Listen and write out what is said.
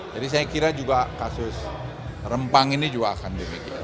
jadi saya kira juga kasus rempang ini juga akan demikian